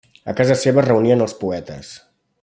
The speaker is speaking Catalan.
A casa seva es reunien els poetes.